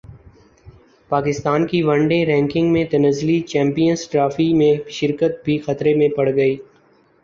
پاکستان کی one day ranking میں تنزلی چیمپئنز ٹرافی میں شرکت بھی خطرے میں پڑگئی